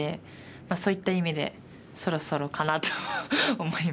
まあそういった意味でそろそろかなと思います。